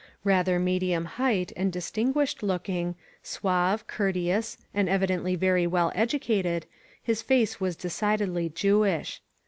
Rather medimn height and distingoished lookingy suave, courteous, and evidently very well educated, his face was decidedly Jewish.